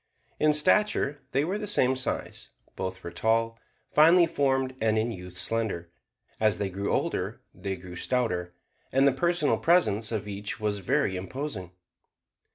In stature they were the same size: both were tall, finely formed, and in youth slender. As they grew older they grew stouter, and the personal presence of each was very imposing.